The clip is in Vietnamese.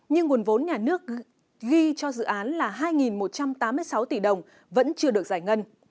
nhưng nguồn vốn nhà nước ghi cho dự án là hai một trăm tám mươi sáu tỷ đồng vẫn chưa được giải ngân